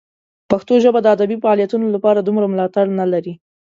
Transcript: پښتو ژبه د ادبي فعالیتونو لپاره دومره ملاتړ نه لري.